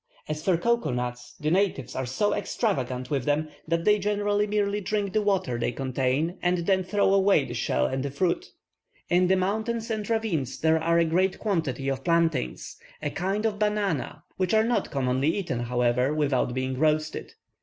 As for cocoa nuts, the natives are so extravagant with them, that they generally merely drink the water they contain, and then throw away the shell and the fruit. In the mountains and ravines there are a great quantity of plantains, a kind of banana, which are not commonly eaten, however, without being roasted.